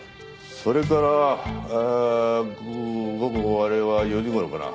それから午後あれは４時頃かな。